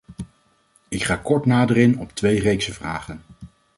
Ik ga kort nader in op twee reeksen vragen.